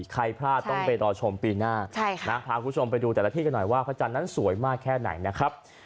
ใครพลาดต้องไปรอชมปีหน้าพาคุณผู้ชมไปดูแต่ละที่กันหน่อยว่าพระจันทร์นั้นสวยมากแค่ไหนนะครับ